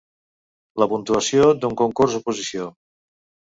La puntuació d'un concurs oposició.